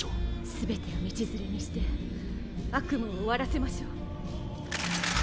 全てを道連れにして悪夢を終わらせましょう。